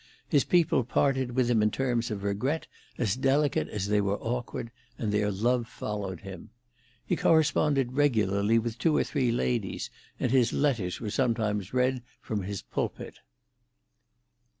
His people parted with him in terms of regret as delicate as they were awkward, and their love followed him. He corresponded regularly with two or three ladies, and his letters were sometimes read from his pulpit.